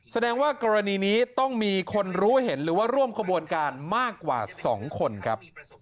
แสดงว่ากรณีนี้ต้องมีคนรู้เห็นหรือว่าร่วมขบวนการมากกว่า๒คนครับ